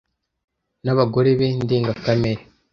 n'abagore be ndengakamere